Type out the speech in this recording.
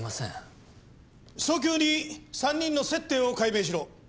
早急に３人の接点を解明しろ。